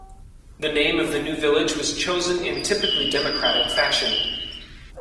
The name of the new village was chosen in typically democratic fashion.